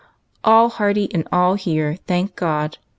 All hearty and all here, thank God